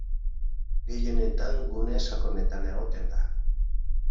Gehienetan gune sakonetan egoten da.